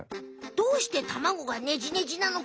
どうして卵がネジネジなのか？